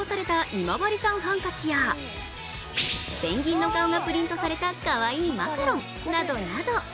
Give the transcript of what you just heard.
今治産ハンカチやペンギンの顔がプリントされたかわいいマカロンなどなど。